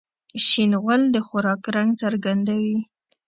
شین غول د خوراک رنګ څرګندوي.